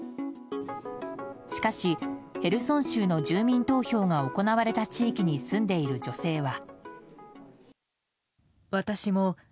しかし、ヘルソン州の住民投票が行われた地域に住んでいる女性は。